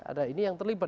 ada ini yang terlibat